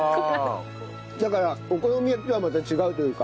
だからお好み焼きとはまた違うというか。